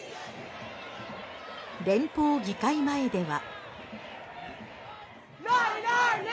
連邦議会前では。